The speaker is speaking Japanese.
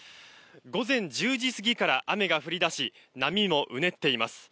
午前１０時過ぎから雨が降り出し波もうねっています。